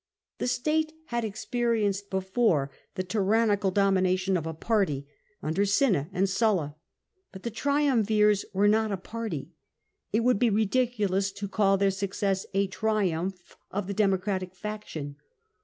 The state had experienced before the tyrannical domination of a party, under Cinna and Sulla; but the triumvirs were not a party: it would be ridiculous to call their success a triumph of the Democratic faction.